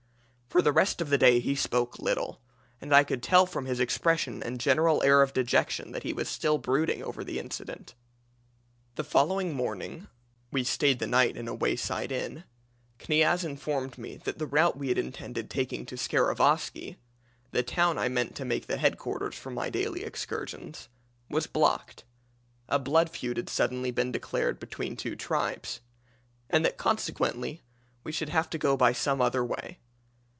"For the rest of the day he spoke little; and I could tell from his expression and general air of dejection that he was still brooding over the incident. The following morning we stayed the night in a wayside inn Kniaz informed me that the route we had intended taking to Skaravoski the town I meant to make the head quarters for my daily excursions was blocked (a blood feud had suddenly been declared between two tribes), and that consequently we should have to go by some other way.